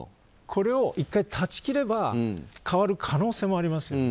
これを１回断ち切れば変わる可能性もあります。